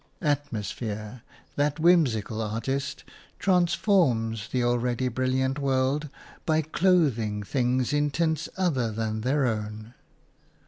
Atmosphere, that whimsical artist, transforms the already brilliant world by clothing things in tints other than their own.